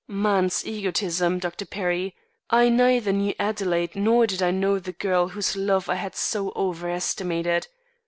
Man's egotism, Dr. Perry. I neither knew Adelaide nor did I know the girl whose love I had so over estimated.